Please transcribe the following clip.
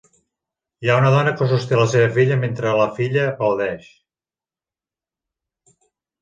Hi ha una dona que sosté la seva filla mentre la filla aplaudeix.